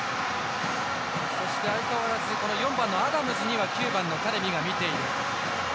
そして、相変わらず４番のアダムズには９番のタレミが見ている。